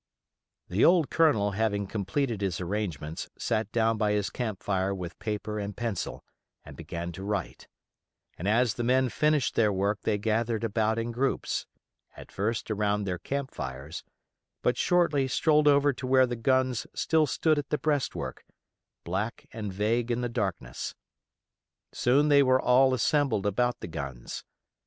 The old Colonel having completed his arrangements sat down by his camp fire with paper and pencil, and began to write; and as the men finished their work they gathered about in groups, at first around their camp fires, but shortly strolled over to where the guns still stood at the breastwork, black and vague in the darkness. Soon they were all assembled about the guns.